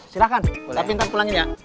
silahkan tapi ntar pulangin ya